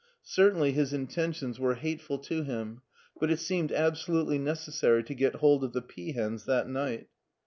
Certainly his intentions were HEIDELBERG 79 hateful to him, but it seemed absolutely necessary to get hold of the peahens that night.